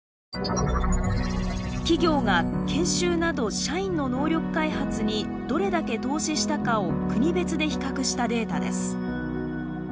企業が研修など社員の能力開発にどれだけ投資したかを国別で比較したデータです。